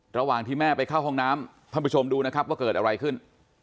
ระหว่างที่แม่ไปเข้าห้องน้ำท่านผู้ชมดูนะครับว่าเกิดอะไรขึ้น